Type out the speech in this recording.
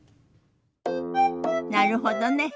なるほどね。